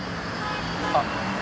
あっ。